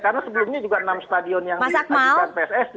karena sebelumnya juga enam stadion yang diadukan pssi